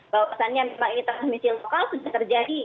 bahwa pesannya misalnya ini transmisi lokal sudah terjadi